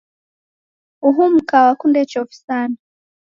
Uhu mka wakunde chofi sana.